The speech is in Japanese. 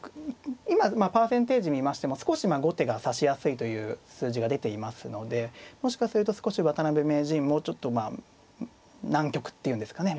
今パーセンテージ見ましても少し後手が指しやすいという数字が出ていますのでもしかすると少し渡辺名人もちょっとまあ難局っていうんですかね